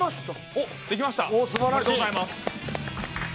おめでとうございます。